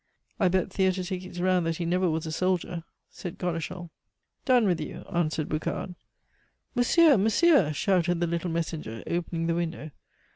"I bet theatre tickets round that he never was a soldier," said Godeschal. "Done with you," answered Boucard. "Monsieur! Monsieur!" shouted the little messenger, opening the window.